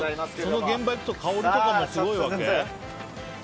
その現場に行くと香りとかもすごいわけ？